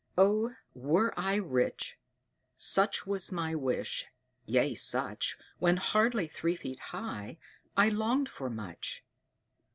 "Oh, were I rich! Such was my wish, yea such When hardly three feet high, I longed for much.